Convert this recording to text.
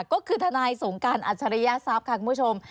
ก็คือทนายสงการอัจฉริยทรัพย์ค่ะคุณผู้ชม